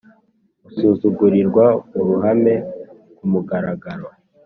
Usuzugurirwa muruhame kumugaragaro